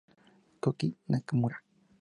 Koki Nakamura